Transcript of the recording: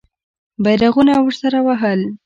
بیرغونه ورسره وهل.